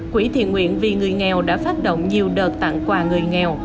quỹ thiện nguyện vì người nghèo đã phát động nhiều đợt tặng quà người nghèo